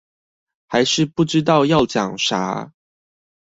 還是不知道要講啥